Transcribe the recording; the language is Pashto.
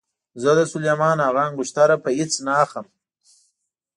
زه د سلیمان هغه انګشتره په هېڅ نه اخلم.